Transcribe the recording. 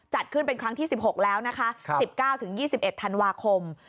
จัดขึ้นเป็นครั้งที่๑๖แล้วนะคะ๑๙๒๑ธันวาคม